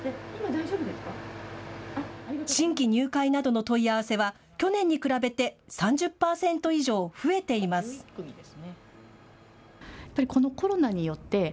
新規入会などの問い合わせは去年に比べて３０％以上増えています。